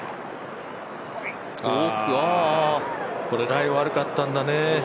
これライ悪かったんだね。